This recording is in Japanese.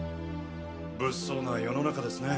物騒な世の中ですね。